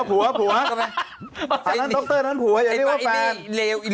พระเราทั้งโดคเตอร์นั้นผัวอย่างนี้ว่าแฟน